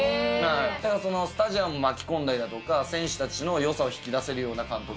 ただ、スタジアム巻き込んだりだとか、選手たちのよさを引き出せるような監督。